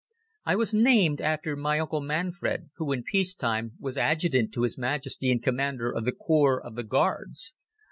I was named after my uncle Manfred, who in peace time, was adjutant to His Majesty and Commander of the Corps of the Guards.